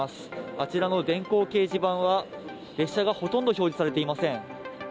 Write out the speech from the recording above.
あちらの電光掲示板は、列車がほとんど表示されていません。